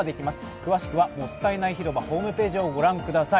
詳しくはもったいない広場ホームページを御覧ください。